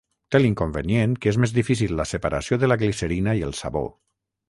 Té l'inconvenient que és més difícil la separació de la glicerina i el sabó.